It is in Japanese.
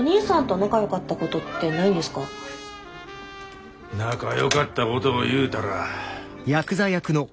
仲良かったこというたら。